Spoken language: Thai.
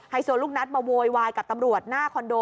โซลูกนัดมาโวยวายกับตำรวจหน้าคอนโด